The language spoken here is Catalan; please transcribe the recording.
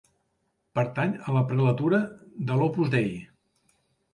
Pertany a la prelatura de l'Opus Dei.